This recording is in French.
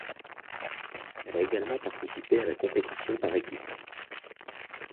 Elle a également participé à la compétition par équipes.